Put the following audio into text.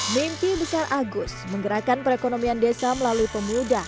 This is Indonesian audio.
mimpi besar agus menggerakkan perekonomian desa melalui pemuda